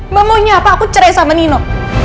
mbak maunya apa aku cerai sama nino